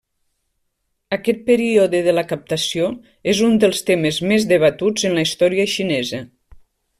Aquest període de la captació és un dels temes més debatuts en la història xinesa.